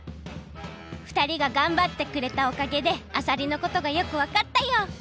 ふたりががんばってくれたおかげであさりのことがよくわかったよ！